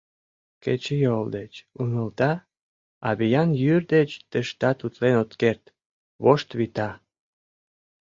Кечыйол деч ӱмылта, а виян йӱр деч тыштат утлен от керт — вошт вита.